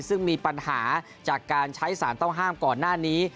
ซึ่งมีปัญหาจากการใช้สารต้องห้ามก่อนหน้านี้